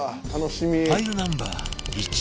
ファイルナンバー１